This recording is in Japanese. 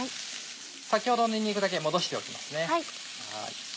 先ほどのにんにくだけ戻しておきますね。